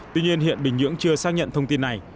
tuy nhiên hiện bình nhưỡng chưa xác nhận thông tin này